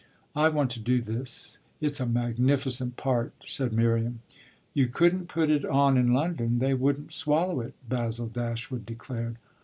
"I want to do this; it's a magnificent part," said Miriam. "You couldn't put it on in London they wouldn't swallow it," Basil Dashwood declared.